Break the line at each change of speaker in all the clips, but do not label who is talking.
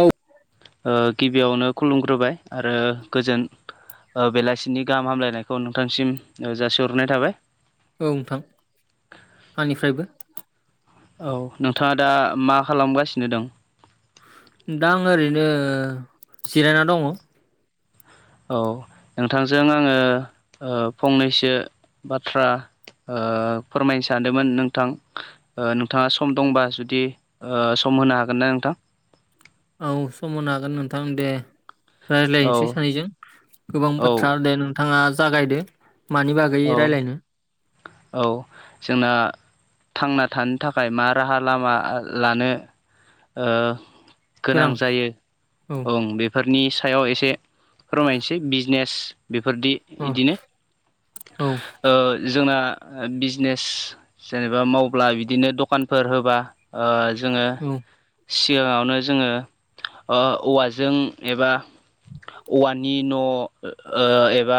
औ।
गिबियावनो खुलुमग्रोबाय आरो गोजोन बेलासिनि गाहाम हामलायनायखौ नोंथांसिम जासिहरनाय थाबायो
औ नोंथां। आंनिफ्रायबो
औ नोंथाङा दा मा खालामगासिनो दं?
दा आं ओरैनो जिरायना दङो।
औ नोंथांजों आङो फंनैसो बाथ्रा फोरमायनो सानदोंमोन नोंथां। नोंथाङा सम दंबा जुदि सम होनो हागोन ना नोंथां?
औ समनो हागोन नोंथां दे।
औ
रायज्लायनोसै सानैजों गोबां
औ
बाथ्रा दे नोंथाङा जागायदो मानि बागैबो
औ
जयै रायज्लायनोओ
औ जोंना थांना थानो थाखाय मा राहा लामा लानो ओ गोनां जायो बे। बेफोरनि सायाव एसे फोरमायनोसै बिजनेस बेफोरबादि बिबादिनो जोंना बिजनेस जेनेबा मावब्ला बिदिनो दखानफोर होबा ओ जोङोहाय सिगाङावनो जोङो औवाजों एबा ओ औवानि न' एबा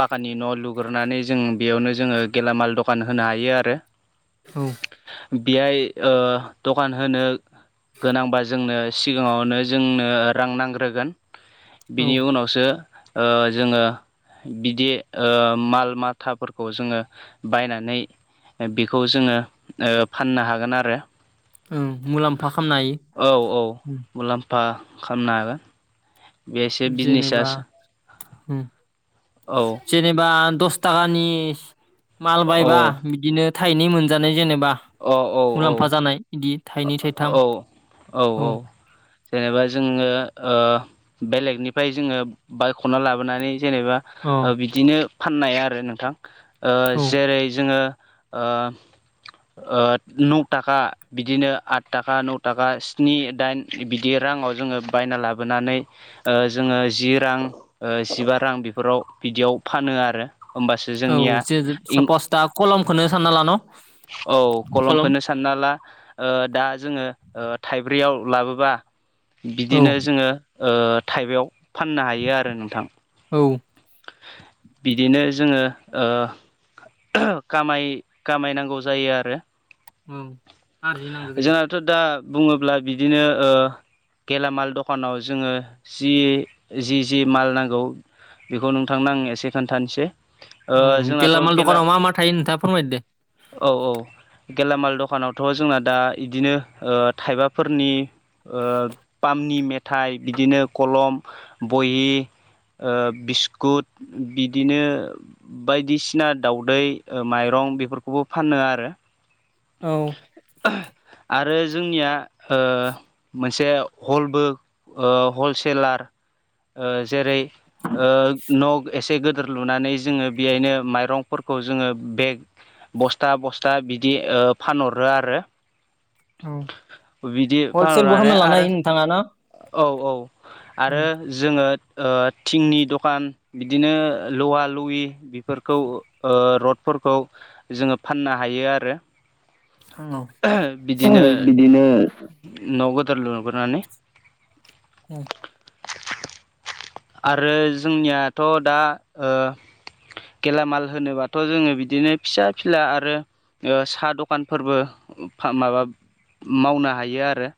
पाखानि न' लुग्रनानै जों बेयावनो मा जोङो गेलामाल दखान होनो हायो।
औ।
बेहाय दखान होनो। गोनांबा जोंनो सिगाङावनो जोंनो रां नांग्रोगोन। बिनि उनावसो ओ जोङो बिदि ओ माल माथाफोरखौ खौ जोङो बायनानै बेखौ जोङो फाननो हागोन आरो।
मुलाम्फा खालामनो हायो।
औ औ मुलाम्फा खालामनो हागोन नों
जेनेबाओ
औ
जेनेबा दस थाखानि माल
औ
बायबा इदिनो थाइनै मोनजानाय जेनेबा
अ औ औ
हानाय इदि था
औ औ औ जेनेबा जोङो ओ बेलेगनिफ्राय जोङो बायख'ना लाबोनानै जेनेबा ओ बिदिनो फाननाय आरो नोंथां ओ जेरै जोङो ओ ओ नौ ताका बिदिनो आट ताका नौ ताका स्नि दाइन बिदि राङाव जोङो बायना लाबोनानै ओ जोङो जि रां ओ जिबा रां बेफोराव बिदियाव फानो आरो। ओमबासो जोंनिया इं औ कलमखोनो सानना ला ओ दा जोङो ओ थाइब्रैयाव लाबोबा बिदिनो जोङो ओ थायबायाव फाननो हायो आरो नोंथां।
औ
बिदिनो जोङो ओ कामाय कामायनांगौ जायो आरो।
उम औ आरजि नांगो जायो।
थ' दा बुङोब्ला बिदिनो ओ गेलामाल दखानाव जोङो जि जि जि माल नांगौ बेखौ नोंथांनो आं एसे खोन्थानोसै। ओ
उम
जोंनाथ'
गेलामाल
गेला
दकानाव मा मा थायो नोंथाङा फोरमायदो दे।
औ औ गेलामाल दखानावथ' जोंना दा इदिनो ओ थाइबाफोरनि ओ पामनि मेथाइ बिदिनो कलम बहि ओ बिस्कुट बिदिनो बायदिसिना दावदै ओ माइरं बेफोरखौबो फानो आरो।
औ
आरो जोंनिया ओ मोनसे हलबो ओ हलसेलार ओ जेरै ओ न' एसे गोदोर लुनानै जोङो बेहायनो माइरंफोरखौ जोङो बेग बस्था बस्था बिदि ओ फानहरो आरो
औ
बिदि
हलसेलबो
फानहरनानै
खामना लानो
आरो
हायो नोंथाङा ना?
औ औ आरो जोङो ओ थिंनि दखान बिदिनो लवा लयि बिफोरखौ ओ रडफोरखौ जोङो फाननो हायो आरो। बिदिनो
[inaudible] बिदिनो
न' गोदोर लुग्रोनानै
उम
आरो जोंनियाथ' दा ओ गेलामाल होनोबाथ' जोङो बिदिनो फिसा फिला आरो ओ सा दखानफोरबो माबा मावनो हायो आरो।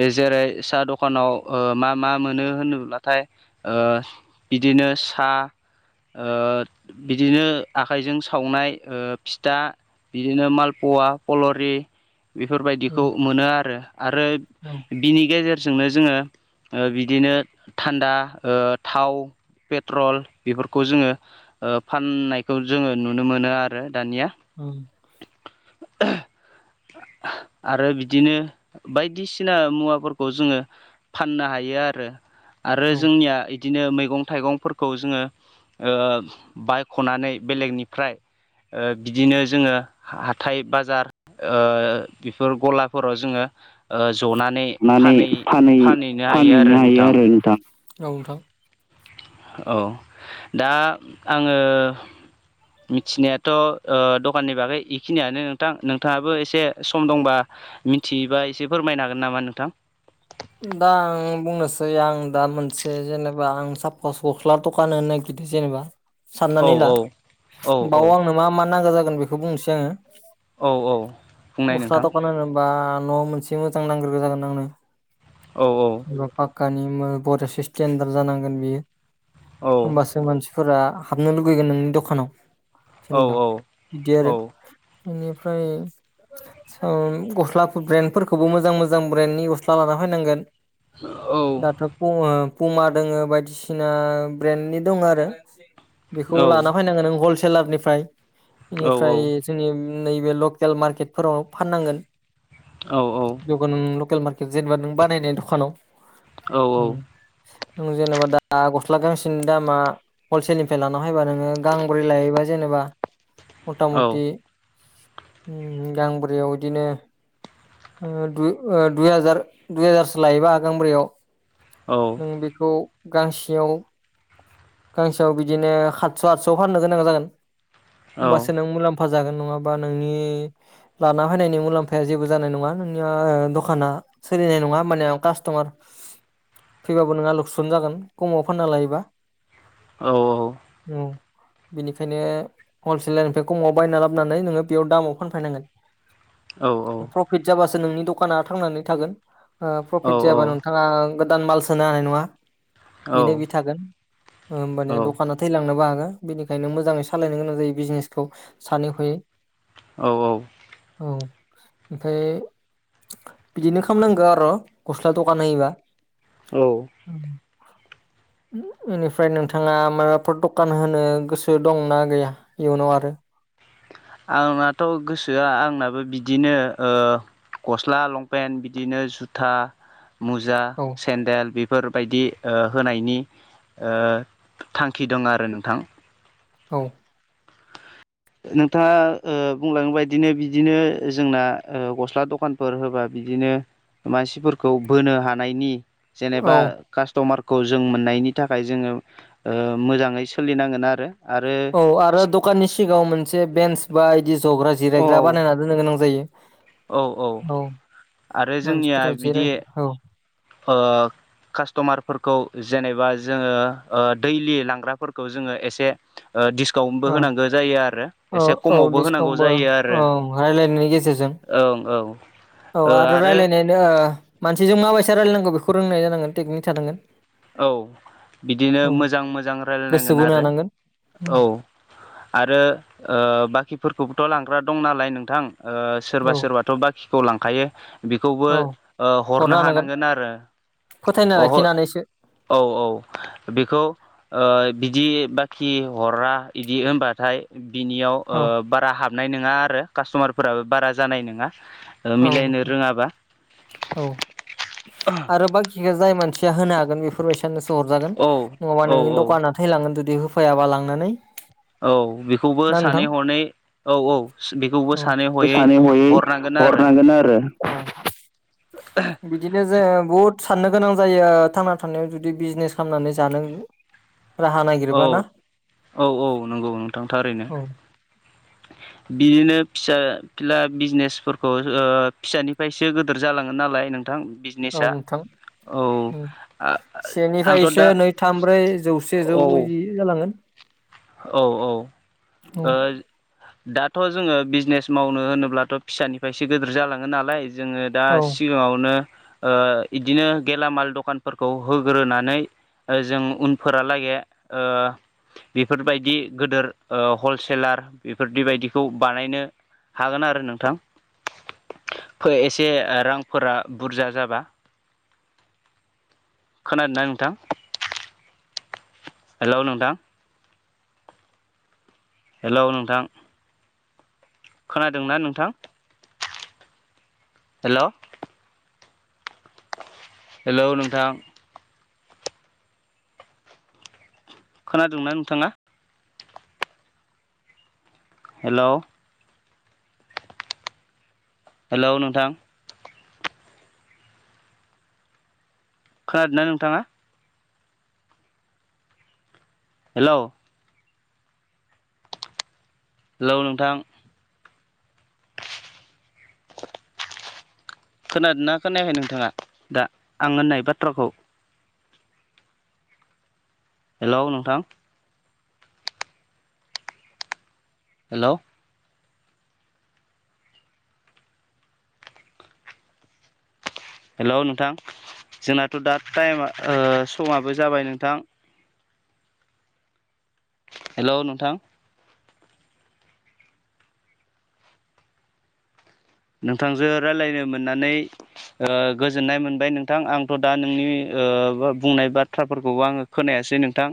ओ जेरै साहा दखानाव ओ मा मा मोनो होनोब्लाथाय ओ बिदिनो सा ओ बिदिनो आखाइजों सावनाय ओ फिथा बिदिनो मालपुवा पलरि बेफोरबायदिखौ मोनो आरो आरो बिनि गेजेरजोंनो जोङो ओ बिदिनो थान्दा ओ थाव पेट्रल बेफोरखौ जोङो ओ फाननायखौ जोङो नुनो मोनो आरो दानिया
उम
[inaudible] आरो बिदिनो बायदिसिना मुवाफोरखौ जोङो फाननो हायो आरो आरो जोंनिया इदिनो मैगं थाइगंफोरखौ जोङो ओ बाइख'नानै बेलेगनिफ्राय ओ बिदिनो जोङो हाथाय बाजार ओ बिफोर गलाफोराव जोङो ओ जनानै फानै फानहैनो हायो आरो नोंथां
नोंथां औ नोंथां
औ दा आङो मिथिनायाथ' ओ दकाननि बागै इखिनियानो नोंथां नोंथाङाबो एसे सम दंबा मिथियोबा एसे फोरमायनो हागोन नामा नोंथां
दा आं बुंनोसै आं दा मोनसे जेनेबा आं सापस गस्ला दखान होनो नागिरदों जेनेबा
औ
साननानै ला
औ औ औ
बाव आंनो मा मा नांगौ जागोन बेखौ बुंनोसै आङो
औ औ बुंनाय
गस्ला
नोंथां
दखान बा न' मोनसे मोजां नांग्रोग्रो जागोन आंनो
औ औ
पाक्कानि बेराद स्टेन्डार जानांगोन बियो
औ
होमबासो होमबासो मानसिफोरा हाबनो लुगैगोन नोंनि दखानाव
औ
जेनेबा बिदि
औ
आरो बेनिफ्राय गस्ला ब्रेन्डफोरखौबो मोजां मोजां ब्रेन्डनि गस्ला लानानै नांगोन
औ
दाथ' पुमा दङ' बायदिसिना ब्रेन्डनि दङ' आरो बेखौ
औ
लाना फैनांगोन नों हलसेलारनिफ्राय बेनिफ्राय जोंनि नैबे लकेल मार्केटफोराव फाननांगोन
औ औ
दकानाव लकेल मार्केट जेनेबा नों बानायनाय दखानाव नों जेनेबा दा गस्ला गांसेनि दामा हलसेलनिफ्राय लाना फायबा नोङो गांब्रै लायोबा जेनेबा मथा मथि गांब्रैयाव बिदिनो ओ हाजार ओ दुइ हाजारसो लायोबा गांब्रैयाव
औ
जों बेखौ गांसेयाव गांसेयाव बिदिनो किदस' आठस'आव फाननो गोनां जागोन
औ
होमबासो नों मुलाम्फा फा जागोन नङाबा नोंनि लाना फैनायनि मुलाम्फाया जेबो जानाय नङा नोंनिया दखाना सोलिनाय नङा माने आ कास्ट'मार फैबाबो नोंहा लुकसन जागोन खमाव फानना लायोबा
औ औ
औ बिनिखायनो हलसेलनिफ्राय खमाव बायना लाबोनानै नोङो बेयाव दामाव फानफैनांगोन
औ
प्रफिट जाबासो नोंनि दखाना थांनानै थागोन ओ
औ
प्रफिट जायाबा नों ओ गोदान माल सोनो हानाय नङा
औ
बेनो बि थागोन होमबाना दखानाव थैलांनोबो हागो बेनिखायनो मोजाङै सालायनो गोनां जायो बिजनेसखौ सानै हयै
औ औ
औ ओमफ्राय बिदिनो खालामनांगौ आरो गस्ला दखान होयोबा
औ
ओनिफ्राय फ्राय नोंथाङा माबाफोर दखान होनो गोसो दंना गैया इयुनाव आरो
आंनाथ' गोसोआ आंनाबो बिदिनो ओ गस्ला लंपेन्ट बिदिनो जुथा मुजा सेन्देल बेफोरबायदि होनायनि थांखि दं आरो नोंथां ना
औ।
नोंथाङा बुंलांनाय बादिनो बिदिनो जोंना गस्ला दखानफोर होबा बिदिनो मा मानसिफोरखौ बोनो हानायनि जेनेबा कास्ट'मारखौ जों मोननायनि थाखाय जोङो मोजाङै सोलिनांगोन आरो
औ आरो दखाननि सिगाङाव मोनसे बेन्स बा बिदि जग्रा
औ
जिरायग्रा बानायनानै दोननो गोनां जायो। औ
आरो जोंनिया
मानसिफोरा
बिदि
जिराय औ।
ओ कास्टमारफोरखौ जेनेबा जोङो दैलि लांग्राफोरखौ जोङो एसे डिसकाउन्टबो होनांगौ जायो आरो एसे खमावबो होनांगौ जायो आरो। औ औ।
औ आरो रायज्लायनायानो मानसिजों माबायदि रायलायनांगौ बेखौ रोंनाय जानांगोन टेकनिक थानांगोना।
औ बिदिनो मोजां मोजां रायजलायनांगोन आरो औ। आरो बाखिफोरखौबोथ' लांग्रा दं नालाय नोंथां। सोरबा सोरबाथ' बाखिखौ लांखायो ना बेखौबो हरनो हानांगोन आरो अ होम। औ औ बेखौ ओ बिदि बाखि हरा बिदि होनबाथाय बिनिखौ बारा हाबनाय नङा आरो कास्ट'मारफोराबो बारा जानाय नङा। ओ
औ
मिलायनो रोङाबा
औ आरो बाखि। जाय मानसिया होनो हागोन बेफोरबायसानोसो हरजागोन
औ
नङाबा
औ
नोंनि
औ
दखाना। थैलांगोन जुदि होफैयाबा लांनानैनो
औ बेखौबो सानै हनै औ औ बेखौबो सानै हयै
हरनांगोन आरो। बिदिनो जों बहुत साननो गोनां जायो थांना थानायाव जुदि बिजनेसा खालामनानै जानो राहा ना
औ औ औ नंगौ नोंथां थारैनो। बिदिनो फिसा फिला बिजनेसफोरखौ फिसानिफ्रायसो गिदोर जालाङो नालाय नों नोंथां।
औ
बिजनेसा
नोंथां।
औ आ आंथ'
सेनिफ्रायसो
दा
नै थाम ब्रै जौसे जौ
औ
जि ओ जालांगोन।
औ औ। दाथ' जोङो बिजनेस मावनो होनोब्लाथ' फिसानिफ्रायसो गिदिर जालाङो नालायो जोङो दा सिगाङावनो बिदिनो गेलामाल दखानफोरखौ होग्रोनानै। जों उनफोरालागै बेफोरबायदि गोदोर हलसेलार बेफोरदिबादिखौ बानायनो हागोन आरो नोंथां एसे रांफोरा बुरजा जाबाबो खोनादोंना नोंथां। हेल' नोंथां। हेल' नोंथां। खोनादोंना नोंथां। हेलौ। हेलौ नोंथां। खोनादोंना नोंथाङा। हेलौ। हेलौ नोंथां। खोनादोंना नोंथाङा हेलौ हेलौ नोंथां खोनादोना खोनायाखै नोंथाङा दा आं होननाय बाथ्राखौ हेलौ नोंथां हेलौ हेलौ नोंथां जोंनाथ' दा टाइम ओ समाबो जाबाय नोंथां। हेलौ नोंथां नोंथांजो रालायनो मोननानै ओ गोजोननाय मोनबाय नोंथां आंथ' दा नोंनि ओ बुंनाय बाथ्राफोरखौबो आङो खोनायासै नोंथां।